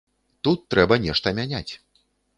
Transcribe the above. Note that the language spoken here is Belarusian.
Тут трэба нешта мяняць.